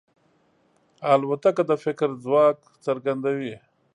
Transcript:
الوتکه د فکر ځواک څرګندوي.